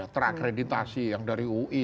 terakreditasi yang dari ui